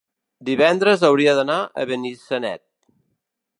divendres hauria d'anar a Benissanet.